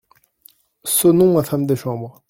Sonnons ma femme de chambre.